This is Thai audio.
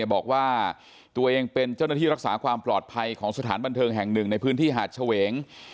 บอกว่าตัวเองเป็นเจ้าหน้าที่รักษาความปลอดภัยของสถานบันเทิงแห่งหนึ่งในพื้นที่หาดเฉวง